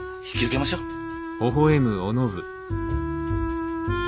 引き受けましょう。